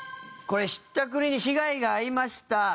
ひったくりの被害に遭いました。